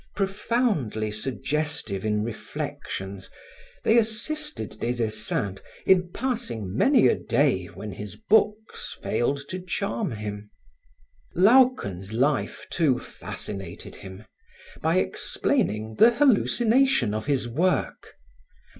Profoundly suggestive in reflections, they assisted Des Esseintes in passing many a day when his books failed to charm him. Luyken's life, too, fascinated him, by explaining the hallucination of his work.